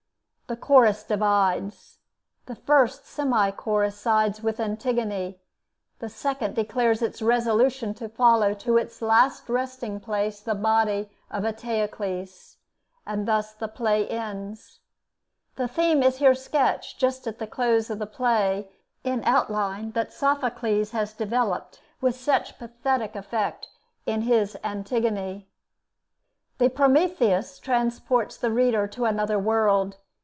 The Chorus divides. The first semi chorus sides with Antigone; the second declares its resolution to follow to its last resting place the body of Eteocles. And thus the play ends. The theme is here sketched, just at the close of the play, in outline, that Sophocles has developed with such pathetic effect in his 'Antigone.' The 'Prometheus' transports the reader to another world.